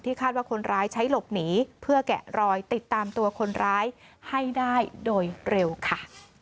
คาดว่าคนร้ายใช้หลบหนีเพื่อแกะรอยติดตามตัวคนร้ายให้ได้โดยเร็วค่ะ